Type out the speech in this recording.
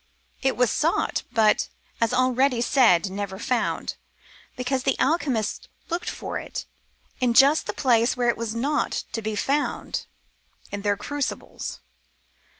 It was sought, but, as already said, never found, because the alchemists looked for it in just the place where it was not to be found, in their crucibles.